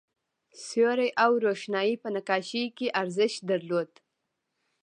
سیوری او روښنايي په نقاشۍ کې ارزښت درلود.